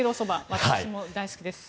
私も大好きです。